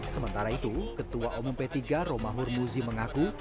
sementara itu ketua umum p tiga romah hurmuzi mengaku